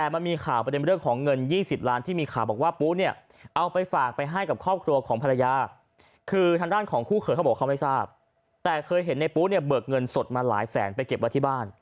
เบิกเงินสดมาหลายแสนไปเก็บว่าที่บ้าน